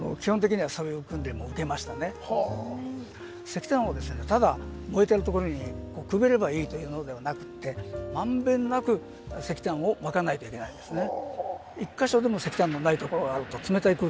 石炭をただ燃えてるところにくべればいいというのではなくてまんべんなく石炭をまかないといけないんですね。